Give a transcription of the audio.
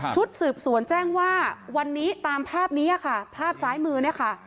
ชุดสืบสวนแจ้งว่าวันนี้ตามภาพนี้ภาพซ้ายมือ